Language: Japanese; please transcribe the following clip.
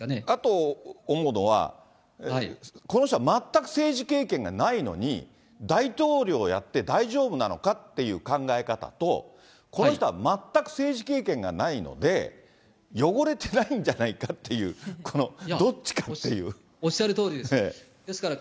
あと思うのは、この人は全く政治経験がないのに、大統領やって大丈夫なのかっていう考え方と、この人は全く政治経験がないので、汚れてないんじゃないかっていう、おっしゃるとおりです。